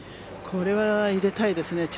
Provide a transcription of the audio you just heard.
これは入れたいですね。